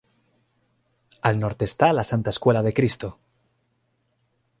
Al norte está la Santa Escuela de Cristo.